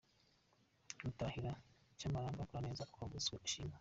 Gutahira cyamaramba = Gukora neza ukwavutswa ishimwe.